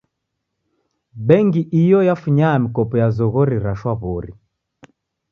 Bengi iyo yafunya mikopo ya zoghori ra shwaw'ori.